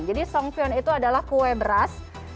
jadi songpyeon itu adalah kue beras